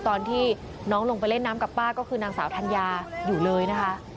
ตอนที่น้องลงไปเล่นน้ำกับป้าก็คือนางสาวธัญญาอยู่เลยนะคะ